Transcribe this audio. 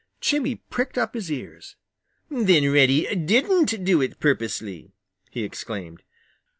Jimmy pricked up his ears. "Then Reddy didn't do it purposely!" he exclaimed.